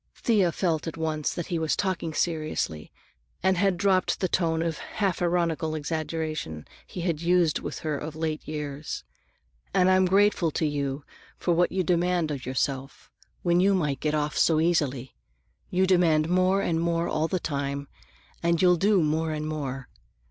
Thea felt at once that he was talking seriously and had dropped the tone of half ironical exaggeration he had used with her of late years. "And I'm grateful to you for what you demand from yourself, when you might get off so easily. You demand more and more all the time, and you'll do more and more.